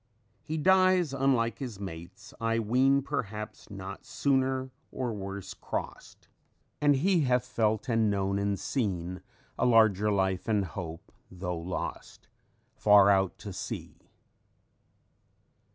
_ "_He dies, unlike his mates, I ween Perhaps not sooner or worse crossed; And he hath felt and known and seen A larger life and hope, though lost Far out at sea.